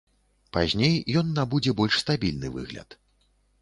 Пазней ён набудзе больш стабільны выгляд.